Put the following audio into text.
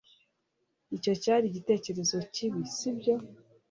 icyo cyari igitekerezo kibi, sibyo